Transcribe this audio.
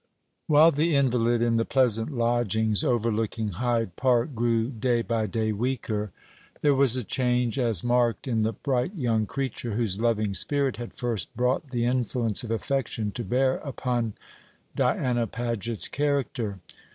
While the invalid in the pleasant lodgings overlooking Hyde Park grew day by day weaker, there was a change as marked in the bright young creature whose loving spirit had first brought the influence of affection to bear upon Diana Paget's character.